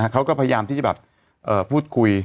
เขาก็พยายามที่จะแบบพูดคุย